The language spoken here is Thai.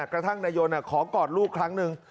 กระทั่งนายนขอกอดลูกครั้งหนึ่ง